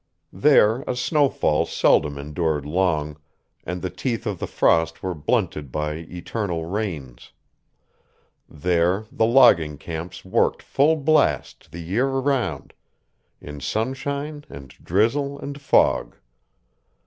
There a snowfall seldom endured long, and the teeth of the frost were blunted by eternal rains. There the logging camps worked full blast the year around, in sunshine and drizzle and fog.